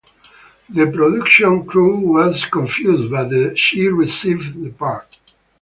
The production crew was confused, but she received the part.